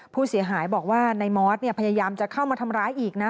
ผู้เสียหายบอกว่านายมอสพยายามจะเข้ามาทำร้ายอีกนะ